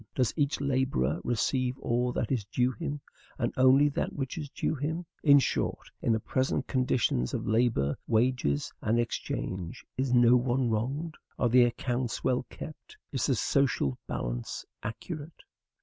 Does each laborer receive all that is due him, and only that which is due him? In short, in the present conditions of labor, wages, and exchange, is no one wronged? are the accounts well kept? is the social balance accurate?"